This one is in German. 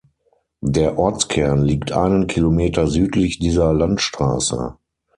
Der Ortskern liegt einen Kilometer südlich dieser Landstraße.